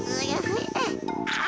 あ！